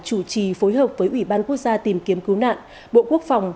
chủ trì phối hợp với ủy ban quốc gia tìm kiếm cứu nạn bộ quốc phòng